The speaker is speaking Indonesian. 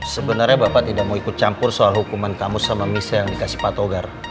sebenarnya bapak tidak mau ikut campur soal hukuman kamu sama misa yang dikasih pak togar